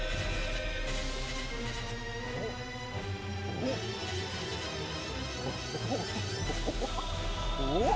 おっ！